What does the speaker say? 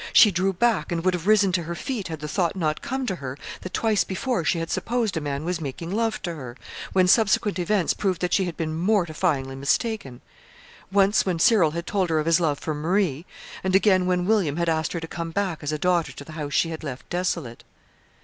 She drew back and would have risen to her feet had the thought not come to her that twice before she had supposed a man was making love to her, when subsequent events proved that she had been mortifyingly mistaken: once when Cyril had told her of his love for Marie; and again when William had asked her to come back as a daughter to the house she had left desolate.